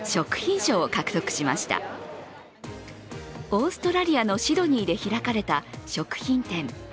オーストラリアのシドニーで開かれた食品展。